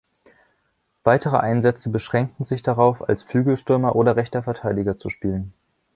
Weitere Einsätze beschränkten sich darauf, als Flügelstürmer oder rechter Verteidiger zu spielen.